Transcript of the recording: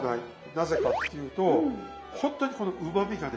なぜかっていうとほんとにこのうまみがね生きる。